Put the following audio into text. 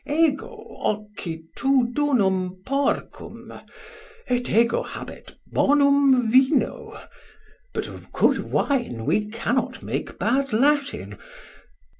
Ego occiditunum porcum, et ego habet bonum vino: but of good wine we cannot make bad Latin.